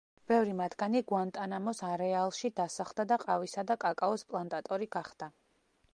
ბევრი მათგანი გუანტანამოს არეალში დასახლდა და ყავისა და კაკაოს პლანტატორი გახდა.